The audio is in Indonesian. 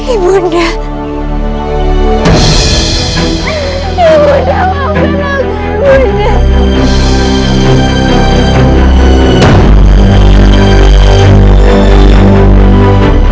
ibu india maafkan aku ibu india